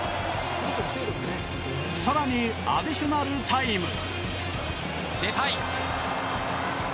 更に、アディショナルタイム。